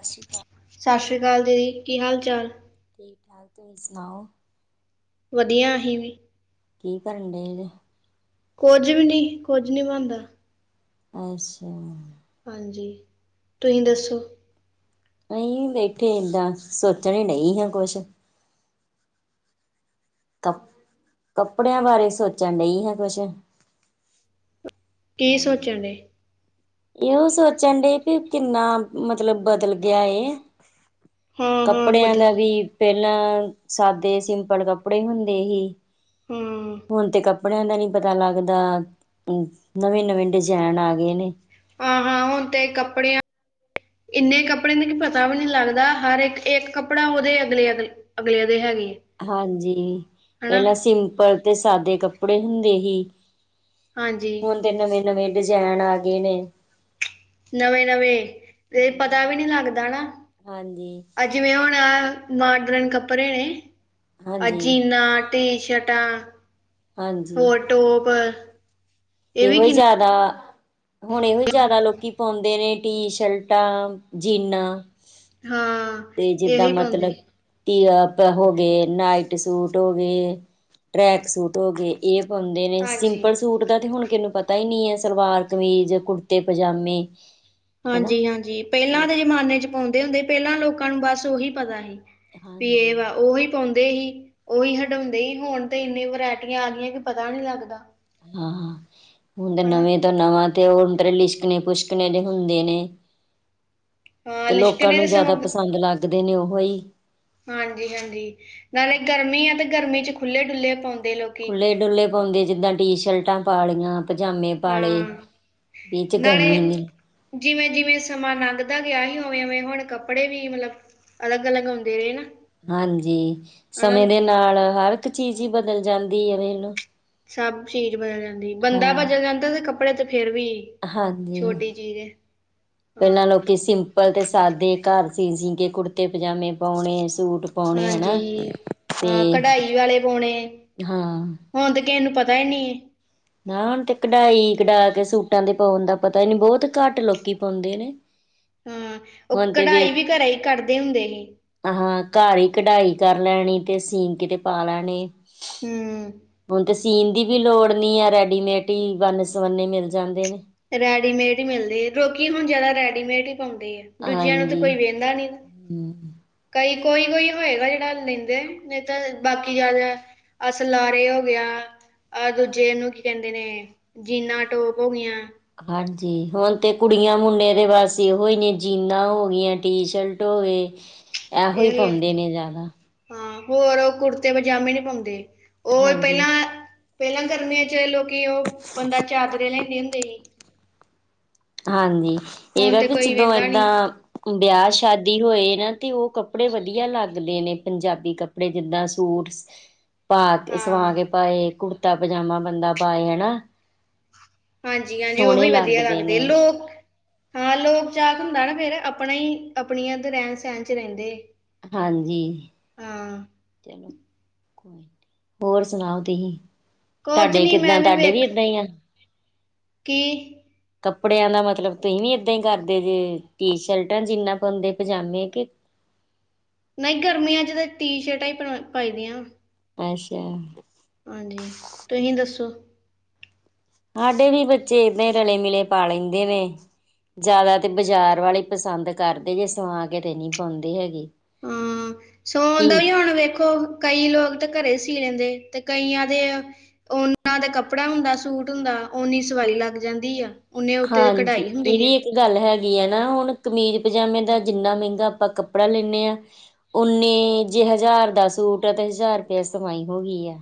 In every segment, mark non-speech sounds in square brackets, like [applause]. ਸਤਿ ਸ਼੍ਰੀ ਅਕਾਲ। ਸਤਿ ਸ਼੍ਰੀ ਅਕਾਲ ਦੀਦੀ, ਕੀ ਹਾਲ ਚਾਲ ਠੀਕ ਠਾਕ ਤੁਸੀਂ ਸੁਣਾਓ। ਵਧੀਆ ਅਸੀ ਵੀ। ਕੀ ਕਰਨ ਦਏ ਜੇ। ਕੁੱਝ ਵੀ ਨਹੀਂ, ਕੁੱਝ ਨਹੀਂ ਬਣਦਾ ਅੱਛਾ [unintelligible] ਹਾਂਜੀ। ਤੁਸੀਂ ਦੱਸੋ ਅਹੀਂ ਬੈਠੇ ਏਦਾਂ, ਸੋਚਣ ਹੀ ਡਈ ਹਾਂ, ਕੁਛ‌। ਕ ਕੱਪੜਿਆਂ ਬਾਰੇ ਸੋਚਣ ਡਈ ਆਂ, ਕੁਛ। ਕੀ, ਹਾਂਜੀ ਸੋਚਣਡੇ। ਇਹੋ ਸੋਚਣ ਡੀ, ਵੀ ਕਿੰਨਾ ਮਤਲਬ ਬਦਲ ਗਿਆ ਏ। ਹਾਂ ਹਾਂ ਕੱਪੜਿਆਂ ਦਾ ਬਦਲ ਵੀ ਪਹਿਲਾਂ, ਸਾਦੇ-ਸਿੰਪਲ ਕੱਪੜੇ ਹੁੰਦੇ ਹੀ ਹਾਂ ਹੁਣ ਤੇ ਕੱਪੜਿਆਂ ਦਾ ਨੀ ਪਤਾ ਲੱਗਦਾ ਨਵੇਂ-ਨਵੇਂ ਡਿਜ਼ਾਇਨ ਆ ਗਏ ਨੇ। ਆ, ਹਾਂ, ਹੁਣ ਤੇ ਕੱਪੜਿਆਂ ਇੰਨੇ ਕੱਪੜੇ ਨੇ ਕੀ ਪਤਾ ਵੀ ਨਹੀਂ ਲੱਗਦਾ, ਹਰ ਇੱਕ-ਇੱਕ ਕੱਪੜਾ, ਉਹਦੇ ਅਗਲੇ-ਅਗਲੇ। ਅਗਲਿਆ ਦੇ ਹੈਗੇ ਆ। ਹਾਂਜੀ, ਹਨਾ ਪਹਿਲਾਂ ਸਿੰਪਲ ਤੇ ਸਾਦੇ ਕੱਪੜੇ ਹੁੰਦੇ ਹੀ ਹਾਂਜੀ। ਹੁਣ ਤੇ, ਨਵੇਂ-ਨਵੇਂ ਡਿਜ਼ਾਇਨ ਆ ਗਏ ਨੇ ਨਵੇਂ-ਨਵੇਂ ਇਹ ਪਤਾ ਵੀ ਨੀ ਲੱਗਦਾ ਨਾ, ਹਾਂਜੀ ਹਨਾ। ਜਿਵੇਂ ਹੁਣ ਮਾਡਰਨ ਕੱਪੜੇ ਨੇ, ਅ ਹਾਂਜੀ ਜੀੰਨਾ ਟੀ-ਸ਼ਰਟਾ, ਹਾਂਜੀ ਹੋਰ ਟੋਪ ਇਹ ਇਹੋ ਵੀ ਹੀ ਕਿੰਨੇ ਜਿਆਦਾ, ਹੁਣ ਇਹੋ ਹੀ ਜਿਆਦਾ ਲੋਕੀ ਪਾਉਂਦੇ ਨੇ। ਟੀ-ਸ਼ਰਟਾ, ਜੀਨਾਂ ਹਾਂ ਤੇ ਜਿੱਦਾਂ ਇਹੀ ਪਾਉਂਦੇ। ਮਤਲਬ ਹੋ ਗਏ, ਨਾਈਟ-ਸੂਟ ਹੋ ਗਏ‌ ਟਰੈਕ-ਸੂਟ ਹੋ ਗਏ ਇਹ ਪਾਉਂਦੇ ਨੇ, ਹਾਂਜੀ। ਸਿੰਪਲ ਸੂਟ ਦਾ ਤੇ ਹੁਣ ਕਿਨੂੰ ਪਤਾ ਹੀ ਨਹੀਂ ਹੈ, ਸਲਵਾਰ-ਕਮੀਜ਼, ਕੁੜਤੇ-ਪਜਾਮੇ ਹਾਂਜੀ-ਹਾਂਜੀ, ਪਹਿਲਾਂ ਦੇ ਜਮਾਨੇ'ਚ ਪਾਉਂਦੇ ਹੁੰਦੇ, ਪਹਿਲਾਂ ਲੋਕਾਂ ਨੂੰ ਬਸ ਉਹੀ ਪਤਾ ਸੀ। ਤੇ ਇਹ ਹਾਂਜੀ ਵਾ, ਉਹੀ ਪਾਉਂਦੇ ਹੀ, ਉਹੀ ਹਡਾਉਂਦੇ ਹੀ, ਹੁਣ ਤੇ ਇੰਨੀ ਵਰਾਇ ਪਟੀਆਂ ਆ ਗਈਆਂ, ਕਿ ਪਤਾ ਨਹੀਂ ਲੱਗਦਾ। ਹਾਂ, ਹੁਣ ਤੇ ਹਨਾ ਨਵੇਂ ਤੋਂ ਨਵਾਂ, ਤੇ ਹੁਣ ਤਰੇ ਲਿਸ਼ਕਣੇ, ਪੁਸ਼ਕਣੇ ਜੇ ਹੁੰਦੇ ਨੇ। ਹਾਂ ਤੇ, ਲੋਕਾਂ ਲਿਸ਼ਕਣੇ ਦੇ ਨੂੰ ਜਿਆਦਾ ਸਗੋਂ ਪਸੰਦ ਲੱਗਦੇ ਨੇ ਉਹ ਹੀ ਹਾਂਜੀ-ਹਾਂਜੀ, ਨਾਲੇ ਗਰਮੀ ਆ ਤੇ ਗਰਮੀ'ਚ ਖੁੱਲੇ-ਡੁੱਲੇ ਪਾਉਂਦੇ ਲੋਕ ਖੁੱਲੇ-ਡੁੱਲੇ ਪਾਉਂਦੇ ਜਿੱਦਾਂ ਟੀ-ਸ਼ਰਟਾਂ ਪਾ ਲ੍ਹੀਆਂ ਪਜਾਮੇ ਪਾਲੇ, ਹਾਂ ਇਹ'ਚ ਗਰਮੀ ਨੀ ਜਿਵੇਂ, ਜਿਵੇਂ ਸਮਾਂ ਲੰਘਦਾ ਗਿਆ ਹੀ, ਉਵੇਂ ਓਂਵੇਂ ਹੁਣ ਕੱਪੜੇ ਵੀ ਮਤਲਬ ਅਲੱਗ-ਅਲੱਗ ਆਉਂਦੇ ਨੇ, ਨਾ। ਹਾਂਜੀ, ਸਮੇਂ ਹਨਾ ਦੇ ਨਾਲ ਹਰ ਇੱਕ ਚੀਜ਼ ਹੀ ਬਦਲ ਜਾਂਦੀ ਹੈ, ਵੇਖਲੋ। ਸਭ ਚੀਜ਼ ਬਦਲ ਜਾਂਦੀ, ਬੰਦਾ ਬਦਲ ਜਾਂਦਾ ਤੇ ਕੱਪੜੇ ਤੇ ਫੇਰ ਵੀ ਹਾਂਜੀ ਛੋਟੀ ਚੀਜ਼ ਏ। ਪਹਿਲਾਂ ਲੋਕੀ ਸਿੰਪਲ ਤੇ ਸਾਦੇ ਘਰ ਸੀ, ਸੀਂਕੇ ਕੁੜਤੇ-ਪਜਾਮੇ ਪਾਉਣੇ, ਸੂਟ ਪਾਉਣੇ, ਹਨਾ ਤੇ ਨਾਲੇ ਪਾਉਣੇ ਹਾਂ। ਹੁਣ ਤੇ, ਕਿਸ ਇਹਨੂੰ ਪਤਾ ਨਹੀਂ। ਨਾ ਹੁਣ ਤੇ ਕਢਾਈ ਕਢਾਕੇ ਸੂਟਾਂ ਦੇ ਪਾਉਣ ਦਾ ਪਤਾ ਹੀ ਨੀ, ਬਹੁਤ ਘੱਟ ਲੋਕੀ ਪਾਉਂਦੇ ਨੇ। [inaudible] ਹਾਂ, ਉਹ ਹੁਣ ਤੇ ਵੇਖ ਕਢਾਈ ਵੀ, ਘਰ ਹੀ ਕਰਦੇ ਹੁੰਦੇ ਸੀ। ਹਾਂ, ਘਰ ਹੀ ਕਢਾਈ ਕਰ ਲੈਣੀ। ਤੇ ਸੀਨ ਕੇ, ਤੇ ਪਾ ਲੈਣੇ। ਹੂੰ ਹੁਣ ਤੇ, ਸੀਨ ਦੀ ਵੀ, ਲੋੜ ਨੀ ਹੈ। ਰੈਡੀਮੇਡ ਹੀ, ਵੰਨ- ਸਵੰਨੇ ਮਿਲ ਜਾਂਦੇ ਨੇ। ਰੈਡੀਮੇਡ ਹੀ ਮਿਲਦੇ। ਲੋਕੀ ਹੁਣ ਜਿਆਦਾ, ਰੈਡੀਮੇਡ ਹੀ ਪਾਉਂਦੇ ਆ। ਦੂਜਿਆਂ ਨੂੰ ਤੇ, ਹਾਂਜੀ ਕੋਈ ਵਹਿੰਦਾ ਨੀ। ਹਮ। ਕਈ ਕੋਈ-ਕੋਈ ਹੋਏਗਾ ਜਿਹੜਾ ਲੈਂਦੇ। ਨਹੀਂ ਤਾਂ, ਬਾਕੀ ਗੱਲ ਹੈ। ਅਸਲਾ ਨੇ ਹੋ ਗਿਆ। ਆ ਦੂਜੇ ਨੂੰ, ਕੀ ਕਹਿੰਦੇ ਨੇ। ਜੀਨਾ, ਟੋਕ ਹੋ ਗਿਆਂ। ਹਾਂਜੀ। ਹੁਣ ਤੇ ਕੁੜੀਆਂ, ਮੁੰਡੇ ਦੇ ਵਾਸੀ। ਹੋਏ ਨੇ ਜੀਨਾ ਹੋ, ਗਈਆਂ ਟੀਸ਼ਰਟ ਹੋਵੇ। ਹ [unintelligible] ਹਾਂ। ਹੋਰ ਕੁੜਤੇ, ਪਜਾਮੇ ਨਹੀਂ ਪਾਉਂਦੇ। ਉਹ, ਹਾਂਜੀ। ਪਹਿਲਾਂ, ਪਹਿਲਾਂ ਕਰਨੀਆਂ ਚ ਲੋਕੀ ਉਹ ਚਾਦਰੇ, ਲੈਂਦੇ ਹੁੰਦੇ ਸੀ। ਹਾਂਜੀ। ਹੁਣ ਇਹਦਾ ਤੇ ਵੀ ਕੋਈ ਜਦੋਂ ਵਹਿੰਦਾ ਨਹੀਂ ਏਦਾਂ। ਵਿਆਹ- ਸ਼ਾਦੀ, ਹੋਏ ਨਾ ਤੇ, ਉਹ ਕੱਪੜੇ ਵਧੀਆ ਲੱਗਦੇ ਨੇ। ਪੰਜਾਬੀ ਕੱਪੜੇ, ਜਿੰਦਾ ਸੂਟ। ਭਾਗ ਇਹ, ਸਵਾ ਹਾਂ ਕੇ ਪਾਏ। ਕੁੜਤਾ- ਪਜਾਮਾ ਬੰਦਾ ਪਾਣੇ। ਹਣਾ। ਹਾਂਜੀ- ਹਾਂਜੀ, ਉਹੀ ਵਧੀਆ ਲੱਗਦੇ, ਲੋਕ ਹਾਂ। ਲੋਕ ਚਾਹਤ, ਹੁੰਦਾ ਨਾ ਫੇਰ ਆਪਣਾ ਹੀ। ਆਪਣੀਆਂ ਤੇ ਰਹਿਣ, - ਸਹਿਣ ਚ ਰਹਿੰਦੇ। ਹਾਂਜੀ। ਹਾਂ। ਹੋਰ ਸੁਣਾਓ ਤੁਸੀਂ? ਕੁਝ ਤੁਹਾਡੇ ਨੀ ਕਿਦਾਂ? ਮੈਂ ਤੁਹਾਡੇ ਵੀ ਵੇਖ ਇਦਾਂ ਹੀ ਆ? ਕੀ ਕੱਪੜੇਆਂ ਦਾ ਮਤਲਬ, ਤੁਸੀਂ ਵੀ ਇਦਾਂ ਹੀ ਕਰਦੇ। ਜੇ, ਟੀ ਸ਼ਰਟਾਂ, ਜਿੰਨਾ, ਪਾਂਦੇ। ਪਜਾਮੇ ਕਿ- ਨਹੀਂ, ਗਰਮੀਆ ਚ ਜਦੋਂ, ਟੀ ਸ਼ਰਟਾਂ ਹੀ ਪਾਈ ਦੀਆਂ ਵਾ। ਅੱਛਾ। ਹਾਂਜੀ, ਤੁਸੀਂ ਦੱਸੋ? ਸਾਡੇ ਵੀ ਬੱਚੇ, ਏ ਦੇ ਰਲੇ- ਮਿਲੇ ਪਾ ਲੈਂਦੇ ਨੇ। ਜਿਆਦਾ ਤੇ ਬਾਜ਼ਾਰ ਵਾਲੇ ਹੀ। ਪਸੰਦ ਕਰਦੇ ਨੇ। ਸਮਾ ਕੇ ਦੇਨੀ, ਪਾਉਂਦੀ ਹੈਨੀ ਗੇ। ਹਾ, ਸੋਨ ਦਾ ਵੀ ਹੁਣ ਵੇਖੋ। ਕਈ ਲੋਕ ਤਾਂ, ਘਰੇ ਸੀ ਲਹਿੰਦੇ। ਤੇ ਕਈਆਂ ਦੇ ਉਹਨਾਂ ਦੇ ਕੱਪੜਾ ਹੁੰਦਾ। ਸੂਟ ਹੁੰਦਾ, ਉਨੀ ਸਵਾਹੀ ਲੱਗ ਜਾਂਦੀ ਆ। ਉਹਨੇ ਉਤੇ, ਹਾਂਜੀ ਕੜਾਈ ਇਹ ਹੁੰਦੀ ਹ। ਵੀ ਇੱਕ ਗੱਲ ਹੈਗੀ ਹ ਨਾ। ਹੁਣ ਕਮੀਜ਼- ਪਜਾਮੇ ਦਾ ਜਿੰਨਾ ਮਹਿੰਗਾ ਆਪਾਂ ਕੱਪੜਾ ਲੇਨੇ ਆਂ। ਉਹਨੇ ਜੇ, ਹਜ਼ਾਰ ਦਾ ਸੂਟ, ਤੇ ਹਜ਼ਾਰ ਸਵਾਈ ਹੋ ਗਈ ਆ।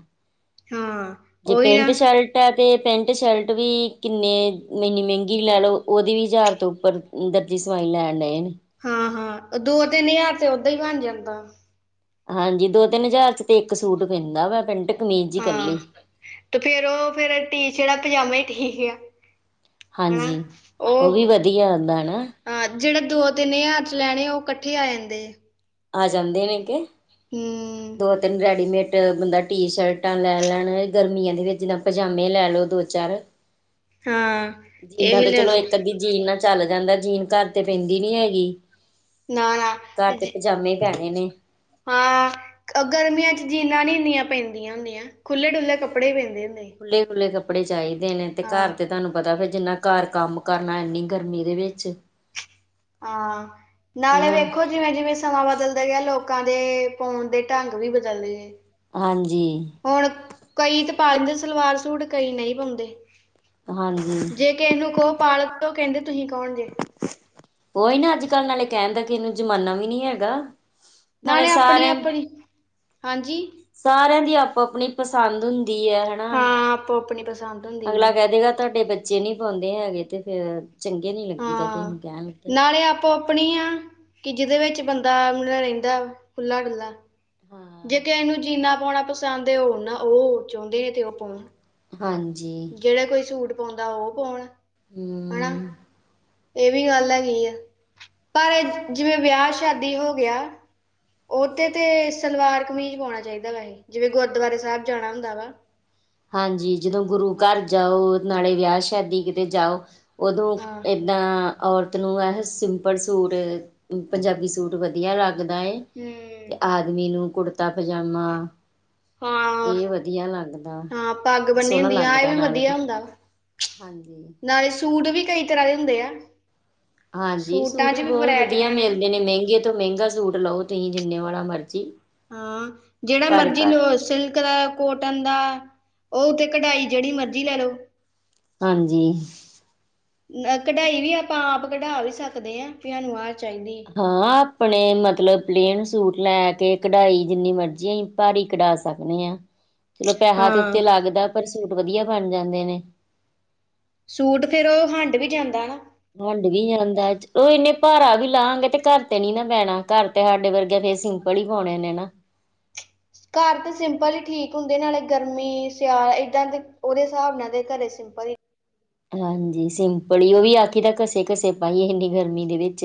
ਹਾਂ। ਜੇ ਉਹੀ ਨਾ ਪੇਂਟ, ਸ਼ਰਟ ਆ ਤੇ। ਪੈਂਟ- ਸ਼ਰਟ ਵੀ ਕਿੰਨੇ ਮਿਨੀ, ਮਹਿੰਗੀ ਲੈ ਲਓ। ਉਹਦੀ ਵਿ ਯਾਰ ਤੋਂ ਉੱਪਰ, ਦਰਜੀ ਸਵਾਈ ਲੈਣ ਡਣੇ ਆ। ਹਾਂ- ਹਾਂ, ਦੋ, ਦਿਨ ਯਾਰ ਤੇ, ਉਧਰ ਹੀ ਬਣ ਜਾਂਦਾ। ਹਾਂਜੀ। ਦੋ, ਤਿੰਨ ਹਜ਼ਾਰ ਚ, ਤੇ ਇੱਕ ਸੂਟ ਪੈਂਦਾ ਵਾ। ਪੈਂਟ- ਕਮੀਜ ਹਾਂ ਕੱਲੀ। ਤੇ ਫੇਰ, ਰੋ ਫੇਰ ਟੀਸ਼ਰਟਾਂ- ਪਜਾਮੇ ਹੀ ਠੀਕ ਆ। ਹਨਾ ਹਾਂਜੀ, ਉਹ ਵੀ ਵਧੀਆ, ਆਉਂਦਾ ਨਾ। ਹਾ, ਜਿਹੜੇ ਦੋ- ਤਿਨ ਹਅੱਜਾਰ ਚ ਲੈਣੇ ਆ। ਉਹ ਇਕੱਠੇ ਆ ਜਾਂਦੇ ਏ। ਆ ਜਾਂਦੇ, ਲੇਕੇ। ਹੂੰ। ਦੋ- ਤਿੰਨ ਰੈਡੀਮੇਟ, ਬੰਦਾ ਟੀ- ਸ਼ਰਟਾਂ ਲੈ ਲੈਣ ਗਰਮੀਆਂ ਦੇ, ਵਿੱਚ ਨਾ। ਭਜਾਮੇ ਲੈ ਲਓ ਦੋ- ਚਾਰ। ਹਾਂ ਜੀਨਾ ਇਹੀ ਤਾ ਲੈ ਚਲੋ ਲਓ ਇਕ ਅੱਧੀ ਜੀਨ ਆ। ਚਲ ਜਾਂਦਾ ਜੀਨ ਘਰ ਤੇ ਪੈਂਦੀ ਨਹੀਂ ਹੈਗੀ। ਨਾ ਨਾ ਘਰ ਤੇ ਜ- ਪਜਾਮੇ ਪੈਣੇ ਨੇ। ਹਾਂ ਗਰਮੀਆਂ ਚ ਜੀਨਾ ਨਹੀਂ ਇਨੀਆਂ ਪੈਂਦੀਆਂ ਹੁੰਦੀਆਂ। ਖੁੱਲੇ- ਡੁੱਲੇ, ਕੱਪੜੇ ਮਿਲਦੇ ਹੁੰਦੇ। ਖੁੱਲੇ ਖੁੱਲੇ। ਕੱਪੜੇ ਚਾਹੀਦੇ ਨੇ ਤੇ ਘਰ ਹਾਂ ਤੇ ਤੁਹਾਨੂੰ ਪਤਾ ਜਿੰਨਾ ਘਰ ਕੰਮ ਕਰਨਾ ਇਨੀ ਗਰਮੀ ਦੇ ਵਿੱਚ। ਹਾਂ ਨਾਲੇ ਹੂੰ, ਵੇਖੋ ਜਿਵੇਂ ਜਿਵੇਂ। ਸਮਾਂ ਬਦਲ ਦੇ ਲੋਕਾਂ ਦੇ ਪਾਉਣ ਦੇ ਢੰਗ ਵੀ ਬਦਲ ਗਏ ਨੇ। ਹਾਂਜੀ ਹੁਣ ਕਈ ਤਾਂ ਪਾ ਲੈਂਦੇ ਸਲਵਾਰ ਸੂਟ ਕਈ ਨਹੀਂ ਪਾਉਂਦੇ। ਹਾਂਜੀ ਜੇ ਕਿਸੇ ਨੂੰ ਕਹੋ ਪਾਲਓ ਕਹਿੰਦੇ ਤੁਸੀਂ ਕੌਣ ਜੇ? ਉਹੀ ਨਾ ਅੱਜਕੱਲ ਨਾਲੇ ਕਹਿਣ ਦਾ ਕਿਸੇ ਨੂੰ ਜਮਾਨਾ ਵੀ ਨਹੀਂ ਹੈਗਾ। ਨਾਲੇ ਆਪਣੀ- ਆਪਣੀ, ਹਾਂਜੀ ਸਾਰਿਆਂ ਦੀ ਆਪੋ ਆਪਣੀ ਪਸੰਦ ਹੁੰਦੀ ਹੈ। ਹਨਾ, ਹਾਂ ਆਪੋ ਆਪਣੀ ਪਸੰਦ ਹੁੰਦੀ ਹੈ ਅਗਲਾ ਕਹਿ ਕਹਿ ਦਏਗਾ ਤੁਹਾਡੇ ਬੱਚੇ ਨੀ ਪਾਉਂਦੇ ਹੈਗੇ ਤੇ ਫੇਰ, ਚੰਗੇ ਨੀ ਲੱਗੀ ਦਾ ਕਿਸੇ ਨੂੰ ਕਹਿਣ ਲੱਗਿਆ ਪੌਂਪਣੀਆਂ, ਕਿ ਜਿਦੇ ਵਿੱਚ ਬੰਦਾ ਰਹਿੰਦਾ, ਖੁੱਲ੍ਹਾ-ਡੁੱਲ੍ਹਾ। ਹਾਂ ਜੇ ਤੇ ਕਿਸੇ ਨੂੰ ਜੀਨਾ ਪਾਉਣਾ ਪਸੰਦ ਹੈ ਉਹ ਨਾ ਉਹ ਚਾਹੁੰਦੇ ਤੇ ਉਹ ਪਾਉਣ ਹਾਂਜੀ ਜਿਹੜਾ ਕੋਈ ਸੂਟ ਪਾਉਂਦਾ ਉਹ ਪਾਉਣ, ਹੈਨਾ। ਹਮ ਇਹ ਵੀ ਗੱਲ ਹੈਗੀ ਆ, ਪਰ ਜਿਵੇਂ ਵਿਆਹ ਸ਼ਾਦੀ ਹੋ ਗਿਆ। ਉਹਦੇ ਤੇ ਸਲਵਾਰ ਕਮੀਜ਼ ਪਾਉਣਾ ਚਾਹੀਦਾ ਵੈਹੇ ਜਿਵੇਂ ਗੁਰਦੁਆਰੇ ਸਾਹਿਬ ਜਾਣਾ ਹੁੰਦਾ ਵਾ। ਹਾਂਜੀ ਜਦੋਂ ਗੁਰੂ ਘਰ ਜਾਓ ਨਾਲੇ ਵਿਆਹ ਸ਼ਾਦੀ ਕਿਤੇ ਜਾਓ, ਉਦੋਂ ਹਾਂ ਏ ਨਾਂ ਔਰਤ ਨੂੰ ਇਹ ਸਿੰਪਲ ਸੂਟ, ਪੰਜਾਬੀ ਸੂ ਸੂਟ ਵਧੀਆ ਲੱਗਦਾ ਏ, ਹੂੰ ਤੇ ਆਦਮੀ ਨੂੰ ਕੁੜਤਾ ਪਜਾਮਾ ਹਾਂ ਇਹ ਵਧੀਆ ਲੱਗਦਾ। ਹਾਂ ਪੱਗ ਬੰਨੀ ਸੋਹਣਾ ਹੁੰਦੀ ਆ ਇਹ ਲੱਗਦਾ ਵੀ ਨਾਲੇ ਵਧੀਆ ਹੁੰਦਾ ਵਾ, ਹਾਂਜੀ ਨਾਲੇ ਸੂਟ ਵੀ ਕਈ ਤਰ੍ਹਾਂ ਦੇ ਹੁੰਦੇ ਆ। ਹਾਂਜੀ ਸੂਟਾਂ ਸੂਟ 'ਚ ਵੀ ਬਹੁਤ ਵਧੀਆ ਵੈਰਾਈਟੀਆਂ ਮਿਲਦੇ ਨੇ ਮਹਿੰਗੇ ਮਹਿੰਗਾ ਸੂਟ ਲਓ ਤੁਸੀਂ ਜਿੰਨੇ ਵਾਲਾ ਮਰਜ਼ੀ ਹਾਂ, ਜਿਹੜਾ ਭਾਰੇ ਮਰਜੀ ਲੋ ਭਾਰੇ ਸਿਲਕ ਦਾ ਕੋਟਨ ਦਾ, ਉਹ ਉੱਤੇ ਕਢਾਈ ਜਿਹੜੀ ਮਰਜ਼ੀ ਲੈ ਲਓ ਹਾਂਜੀ ਕਢਾਈ ਵੀ ਆਪਾਂ ਆਪ ਕਢਾ ਵੀ ਸਕਦੇ ਹਾਂ ਵੀ ਸਾਨੂੰ ਆਹ ਚਾਹੀਦੀ ਹ ਹਾਂ ਆਪਣੇ ਮਤਲਬ ਪਲੇਨ ਸੂਟ ਲੈ ਕੇ ਕਢਾਈ ਜਿੰਨੀ ਮਰਜ਼ੀ ਭਾਰੀ ਕਢਾ ਸਕਦੇ ਹਾਂ। ਚਲੋ ਪੈਹਾ ਤੇ ਹਾਂ ਉੱਤੇ ਲੱਗਦਾ ਪਰ ਸੂਟ ਵਧੀਆ ਬਣ ਜਾਂਦੇ ਨੇ ਸੂਟ ਫੇਰ ਹੰਡ ਵੀ ਜਾਂਦਾ ਨਾ। ਹੰਡ ਵੀ ਜਾਂਦਾ ਉਹ ਇਨੇ ਭਾਰਾ ਵੀ ਲਾਂਗੇ ਤੇ ਘਰ ਤੇ ਨੀ ਨਾ ਪੈਣਾ ਘਰ ਤੁਹਾਡੇ ਵਰਗੇ ਤੇ ਸਿੰਪਲ ਹੀ ਹੋਣੇ ਨੇ ਨਾ? ਘਰ ਤਾਂ ਸਿੰਪਲ ਹੀ ਠੀਕ ਹੁੰਦੇ ਨਾਲੇ ਗਰਮੀ ਸਿਆਲ ਏਦਾਂ ਦੇ, ਉਹਦੇ ਹਿਸਾਬ ਨਾਲ ਦੇ ਘਰੇ ਸਿੰਪਲ ਈ ਹਾਂਜੀ ਸਿੰਪਲ, ਉਹ ਵੀ ਆਖੀਦਾ ਘਸੇ ਘਸੇ ਪਾਈ ਇੰਨੀ ਗਰਮੀ ਦੇ ਵਿੱਚ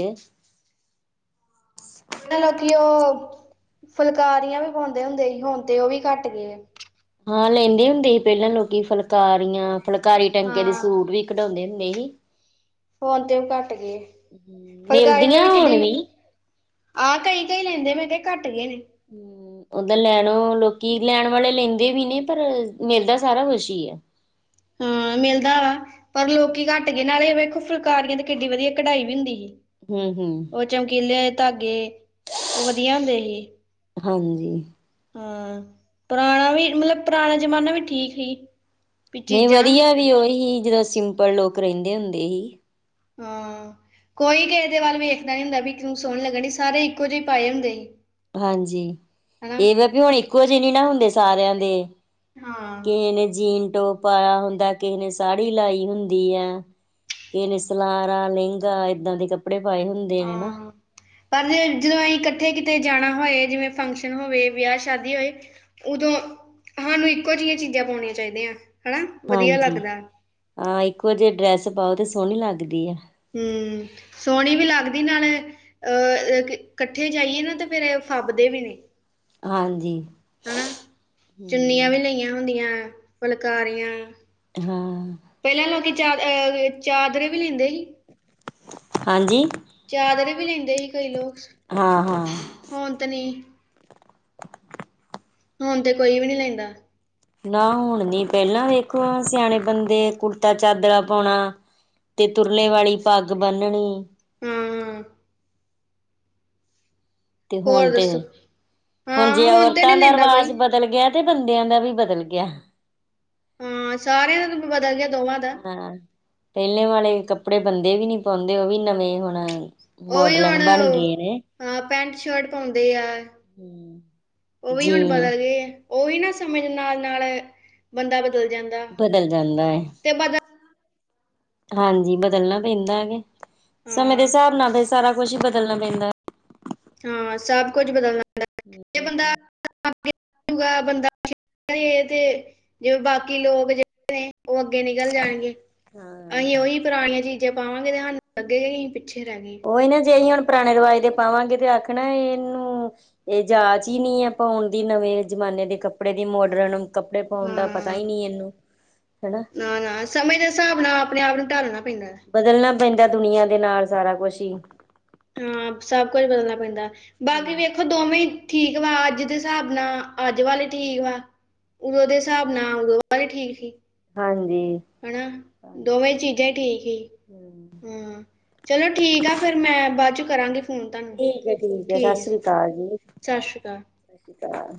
ਪਹਿਲਾਂ ਲੋਕੀ ਉਹ, ਫੁਲਕਾਰੀਆਂ ਵੀ ਪਾਉਂਦੇ ਹੁੰਦੇ ਹੀ ਹੁਣ ਤੇ ਉਹ ਵੀ ਘੱਟ ਗਏ। ਹਾਂ ਲੈਂਦੇ ਹੁੰਦੇ ਹੀ ਪਹਿਲਾਂ ਲੋਕੀ ਫੁਲਕਾਰੀਆਂ ਫੁਲਕਾਰੀ ਟਾਂਕੇ ਦੇ ਹਾਂ ਸੂਟ ਵੀ ਕਡਾਉਂਦੇ ਹੁੰਦੇ ਹੀ। ਹੁਣ ਤੇ ਉਹ ਘੱਟ ਗੇ, ਫੁਲਕਾਰੀ ਤਾਂ ਮਿਲਦੀਆਂ ਵੀ ਕਿੱਡੀ ਹੁਣ ਆਹ ਕਈ ਕਈ ਲੈਂਦੇ। ਹੂੰ ਓਦਾਂ ਲੈਣ ਲੋਕੀ, ਲੈਣ ਵਾਲੇ ਲੈਂਦੇ ਵੀ ਨੇ ਪਰ ਮਿਲਦਾ ਸਾਰਾ ਕੁਝ ਹੀ ਆ। ਹਾਂ ਮਿਲਦਾ ਵਾ ਪਰ ਲੋਕੀ ਘੱਟ ਗਏ ਨਾਲੇ ਵੇਖੋ ਫੁਲਕਾਰੀਆਂ ਤੇ ਕਿੱਡੀ ਵਧੀਆ ਕਢਾਈ ਵੀ ਹੁੰਦੀ ਹੀ। ਹੂੰ-ਹੂੰ। ਉਹ ਚਮਕੀਲੇ ਧਾਗੇ, ਉਹ ਵਧੀਆ ਹੁੰਦੇ ਹੀ। ਹਾਂਜੀ ਹਾਂ, ਪੁਰਾਣਾ ਵੀ ਮਤਲਬ ਪੁਰਾਣਾ ਜਮਾਨਾ ਵੀ ਠੀਕ ਹੀ। ਨਹੀਂ ਵਧੀਆ ਵੀ ਉਹੀ ਜਦੋਂ ਸਿੰਪਲ ਲੋਕ ਰਹਿੰਦੇ ਹੁੰਦੇ ਹੀ। ਹਾਂ ਕੋਈ ਕਿਹੇ ਦੇ ਵੱਲ ਵੇਖਦਾ ਨੀ ਹੁੰਦਾ ਵੀ ਤੂੰ ਸੋਹਣੀ ਲੱਗਣ ਡੀ ਸਾਰੇ ਇੱਕੋ ਜਿਹੇ ਪਾਏ ਹੁੰਦੇ ਹੀ। ਹਾਂਜੀ, ਇਹਵੇ ਵੀ ਹੁਣ ਇੱਕੋ ਜਿਹੇ ਨਹੀਂ ਨਾ ਹੁੰਦੇ ਸਾਰਿਆਂ ਦੇ ਹਾਂ ਕਿਹੇ ਨੇ ਜੀਨ ਟੋਪ ਪਾਇਆ ਹੁੰਦਾ ਕਿਹੇ ਨੇ ਸਾੜੀ ਲਾਈ ਹੁੰਦੀ ਆ। ਕਿਹੇ ਨੇ ਸਲਾਰਾ ਲਹਿੰਗਾ ਏਦਾਂ ਦੇ ਕੱਪੜੇ ਪਾਏ ਹੁੰਦੇ ਨੇ ਨਾ। ਹਾਂ ਪਰ ਜੇ ਜਦੋਂ ਅਹੀ ਕੱਠੇ ਕਿਤੇ ਜਾਣਾ ਹੋਏ ਜਿਵੇਂ ਫੰਕਸ਼ਨ ਹੋਵੇ ਵਿਆਹ ਸ਼ਾਦੀ ਹੋਏ ਉਦੋਂ, ਸਾਨੂੰ ਇੱਕੋ ਜਿਹੀਆਂ ਚੀਜ਼ਾਂ ਪਾਉਣੀਆਂ ਚਾਹੀਦੀਆਂ। ਹਨਾ ਵਧੀਆ ਹਾਂਜੀ, ਲੱਗਦਾ ਹਾਂ ਇੱਕੋ ਜੀ ਡਰੈਸ ਪਾਓ ਤੇ ਸੋਹਣੀ ਲੱਗਦੀ ਆ। ਹੂੰ ਸੋਹਣੀ ਵੀ ਲੱਗਦੀ ਨਾਲੇ ਅ ਕੱਠੇ ਜਾਈਏ ਨਾ ਤੇ ਫੇਰ ਫਭਦੇ ਵੀ ਨੇ ਹਾਂਜੀ ਹੂੰ ਚੁੰਨੀਆਂ ਹਮ ਵੀ ਲਈਆਂ ਹੁੰਦੀਆਂ ਫੁਲਕਾਰੀਆਂ ਹਾਂ ਪਹਿਲਾ ਲੋਕੀ ਚਾ ਚਾਦਰੇ ਵੀ ਲੈਂਦੇ ਸੀ ਹਾਂਜੀ ਚਾਦਰੇ ਵੀ ਲੈਂਦੇ ਸੀ ਕਈ ਲੋਕ ਹਾਂ ਹਾਂ ਹੁਣ ਤੇ ਨੀ ਹੁਣ ਤੇ ਕੋਈ ਵੀ ਨੀ ਲੈਂਦਾ ਨਾ ਹੁਣ ਨੀ ਪਹਿਲਾਂ ਵੇਖੋ ਸਿਆਣੇ ਬੰਦੇ ਕੁੜਤਾ ਚਾਦਰਾ ਪੋਣਾ ਤੇ ਤੁਰਲੇ ਵਾਲੀ ਪੱਗ ਬੰਨਣੀ ਹੂੰ ਹੂੰ ਤੇ ਹੋਰ ਹੁਣ ਤੇ ਦੱਸੋ ਹੁਣ ਹਾਂ ਜੇ ਤੇ ਔਰਤਾਂ ਨਹੀਂ ਦਾ ਲੈਂਦਾ ਕੋਈ ਰਵਾਜ਼ ਬਦਲ ਗਿਆ ਤੇ ਬੰਦਿਆਂ ਦਾ ਵੀ ਬਦਲ ਗਿਆ ਹਾਂ ਸਾਰਿਆਂ ਦਾ ਬਦਲ ਗਿਆ ਦੋਵਾਂ ਦਾ ਹਾਂ ਪੇਲੇ ਵਾਲੇ ਕੱਪੜੇ ਬੰਦੇ ਵੀ ਨੀ ਪਾਂਦੇ ਓ ਵੀ ਨਵੇਂ ਹੁਣ ਓ ਵੀ ਹੁਣ ਮੋਡਲਨ ਬਣ ਗਏ ਨੇ ਹ ਪੈਂਟ ਸ਼ਰਟ ਪੋਂਦੇ ਆ ਹਮ ਉਹ ਵੀ ਜੀ ਹੁਣ ਬਦਲ ਗਏ ਉਹ ਵੀ ਨਾ ਸਮੇ ਦੇ ਨਾਲ ਨਾਲ ਬੰਦਾ ਬਦਲ ਜਾਂਦਾ ਬਦਲ ਜਾਂਦਾ ਏ ਤੇ ਬਦਲ ਹਾਂਜੀ ਬਦਲਨਾ ਪੈਂਦਾ ਵੇ ਸਮੇਂ ਦੇ ਹਾਂ ਹਿਸਾਬ ਨਾਲ ਸਾਰਾ ਕੁਛ ਹੀ ਬਦਲਣਾ ਪੈਂਦਾ ਹਾਂ ਸਭ ਕੁਝ ਬਦਲਨਾ ਬੰਦਾ ਗਾ ਬੰਦਾ ਤੇ ਜਿਵੇਂ ਬਾਕੀ ਲੋਕ ਨੇ ਉਹ ਅੱਗੇ ਨਿਕਲ ਜਾਣਗੇ ਹਾਂ ਅਸੀਂ ਉਹੀ ਪੁਰਾਣੀਆਂ ਚੀਜ਼ਾਂ ਜੇ ਪਾਵਾਂਗੇ ਤਾਂ ਸਾਨੂੰ ਲੱਗੇਗਾ ਕਿ ਹੀਂ ਪਿੱਛੇ ਰਹਿ ਗਏ ਉਹੀ ਨਾ ਜੇ ਅਸੀਂ ਹੁਣ ਪੁਰਾਣੇ ਰਿਵਾਜ਼ ਦੇ ਪਾਵਾਂਗੇ ਤੇ ਆਖਣਾ ਇਹਨੂੰ ਇਹ ਜਾਚ ਈ ਨੀ ਆ ਪਾਉਣ ਦੀ ਨਵੇਂ ਜਮਾਨੇ ਦੇ ਕੱਪੜੇ ਦੀ ਮੋਡਰਨ ਕੱਪੜੇ ਪਾਉਣ ਦਾ ਪਤਾ ਹਾਂ ਈ ਨਹੀਂ ਇਹਨੂੰ ਹਨਾ ਨਾ ਨਾ ਸਮੇ ਦੇ ਹਿਸਾਬ ਨਾਲ ਆਪਨੇ ਆਪ ਨੂੰ ਟਾਲਨਾ ਪੈਂਦਾ ਬਦਲਨਾ ਪੈਂਦਾ ਦੁਨੀਆਂ ਦੇ ਨਾਲ ਸਾਰਾ ਕੁਛ ਈ ਹਾਂ ਸਭ ਕੁਝ ਬਦਲਨਾ ਪੈਂਦਾ ਬਾਕੀ ਹਮ ਵੇਖੋ ਦੋਵੇਂ ਠੀਕ ਵਾ ਅੱਜ ਦੇ ਹਿਸਾਬ ਨਾਲ ਅੱਜ ਵਾਲੇ ਠੀਕ ਵਾ ਉਦੋ ਦੇ ਸਾਬ ਨਾਲ ਉਦੋ ਵਾਲੇ ਠੀਕ ਸੀ- ਹਾਂਜੀ ਹਨਾ ਹਾਂਜੀ, ਦੋਵੇਂ ਚੀਜ਼ਾਂ ਠੀਕ ਈ ਹੂੰ ਹਾਂ ਚਲੋ ਠੀਕ ਆ ਫੇਰ ਮੈਂ ਬਾਅ ਚੋਂ ਕਰਾਂਗੀ ਫੋਨ ਤੁਹਾਨੂੰ ਠੀਕ ਆ ਠੀਕ ਆ ਸਤਿ ਸ਼੍ਰੀ ਅਕਾਲ ਜੀ ਸ਼੍ਰੀ ਅਕਾਲ ਸਤਿ ਸ਼੍ਰੀ ਅਕਾਲ